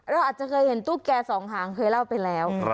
เราอาจจะเคยเห็นตุ๊กแก่สองหางเคยเล่าไปแล้ว